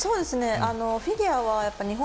フィギュアは日本